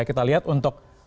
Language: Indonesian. kita lihat untuk